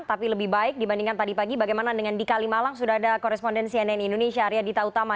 tapi lebih baik dibandingkan tadi pagi bagaimana dengan di kalimalang sudah ada korespondensi nn indonesia arya dita utama